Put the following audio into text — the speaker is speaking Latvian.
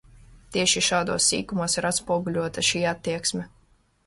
Tieši šādos sīkumos ir atspoguļota šī attieksme.